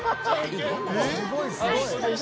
すごいすごい！